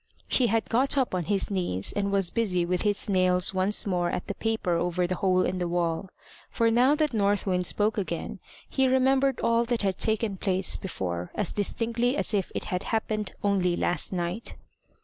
He had got up on his knees, and was busy with his nails once more at the paper over the hole in the wall. For now that North Wind spoke again, he remembered all that had taken place before as distinctly as if it had happened only last night.